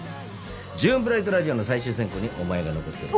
『ジューンブライドラジオ』の最終選考にお前が残ってる。